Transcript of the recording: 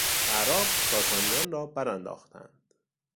اعراب ساسانیان را برانداختند.